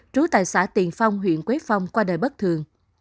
trú tại xã tiền phong huyện quế phong qua đời bất thường